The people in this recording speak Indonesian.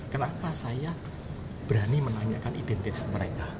kenapa saya berani menanyakan identitas mereka